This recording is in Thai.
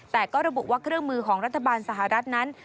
แต่ก็ระบุว่าเครื่องมือของรัฐบาลสหรัฐนั้น